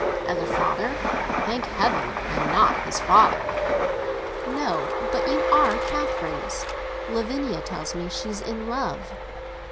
"As a father? Thank Heaven I am not his father!" "No; but you are Catherine's. Lavinia tells me she is in love."